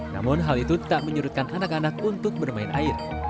namun hal itu tak menyurutkan anak anak untuk bermain air